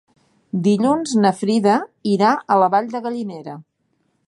Dilluns na Frida irà a la Vall de Gallinera.